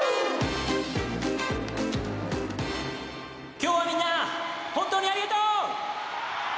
今日はみんな本当にありがとう！